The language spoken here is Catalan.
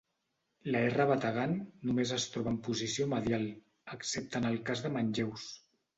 La "r" bategant només es troba en posició medial, excepte en el cas de manlleus.